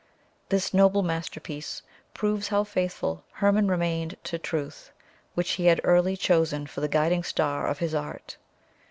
This noble masterpiece proves how faithful Hermon remained to truth, which he had early chosen for the guiding star of his art.